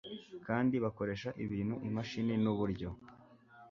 kandi bakoresha ibintu imashini n uburyo